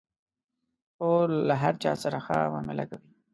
خور له هر چا سره ښه معامله کوي.